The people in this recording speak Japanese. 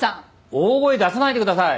大声出さないでください。